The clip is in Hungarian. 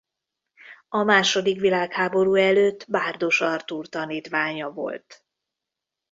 A második világháború előtt Bárdos Artúr tanítványa volt.